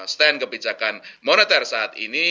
stand kebijakan moneter saat ini